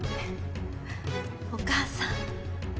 お母さん。